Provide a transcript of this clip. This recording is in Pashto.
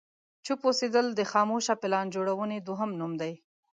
چوپ اوسېدل د خاموشه پلان جوړونې دوهم نوم دی.